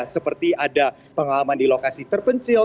seperti ada pengalaman di lokasi terpencil